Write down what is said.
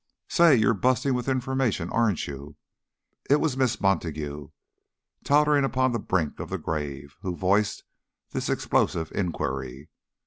'" "Say! You're bursting with information, aren't you?" It was Miss Montague, tottering upon the brink of the grave, who voiced this explosive inquiry.